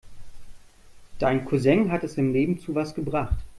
Dein Cousin hat es im Leben zu was gebracht.